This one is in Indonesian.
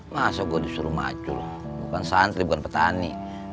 masa gua disuruh macul bukan santri bukan petani